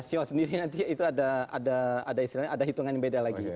sio sendiri nanti itu ada istilahnya ada hitungan yang beda lagi